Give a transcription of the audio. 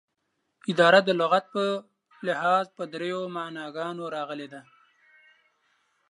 اداره دلغت په لحاظ په دریو معناګانو راغلې ده